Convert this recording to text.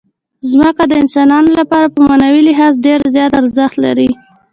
ځمکه د افغانانو لپاره په معنوي لحاظ ډېر زیات ارزښت لري.